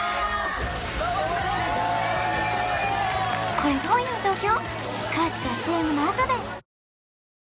これどういう状況？